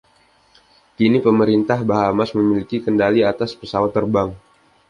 Kini Pemerintah Bahamas memiliki kendali atas Pesawat Terbang.